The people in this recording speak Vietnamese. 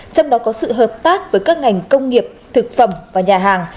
trong đó có sự hợp tác với các ngành công nghiệp thực phẩm và nhà hàng